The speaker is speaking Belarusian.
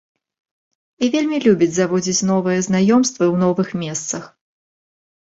І вельмі любіць заводзіць новыя знаёмствы ў новых месцах.